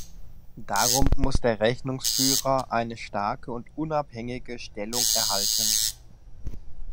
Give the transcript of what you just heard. Darum muss der Rechnungsführer eine starke und unabhängige Stellung erhalten.